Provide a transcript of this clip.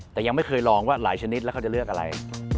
แต่ยังไม่เคยลองว่าหลายชนิดแล้วเขาจะเลือกอะไร